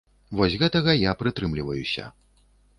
Вось гэтага я прытрымліваюся.